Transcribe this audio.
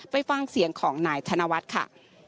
ไปฟังเสียงของนายธนวัฒน์ค่ะ